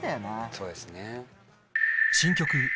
そうですね。